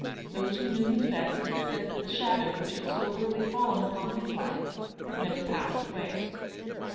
Those who knew him best said that the shadow which had so early fallen upon his life had never passed away.